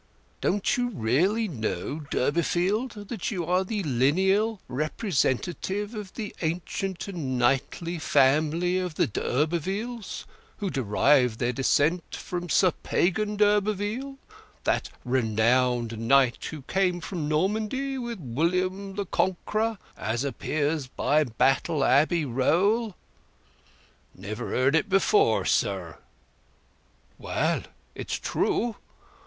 Don't you really know, Durbeyfield, that you are the lineal representative of the ancient and knightly family of the d'Urbervilles, who derive their descent from Sir Pagan d'Urberville, that renowned knight who came from Normandy with William the Conqueror, as appears by Battle Abbey Roll?" "Never heard it before, sir!" "Well it's true.